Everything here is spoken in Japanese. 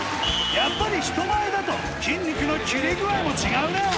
やっぱり人前だと筋肉のキレ具合も違うね！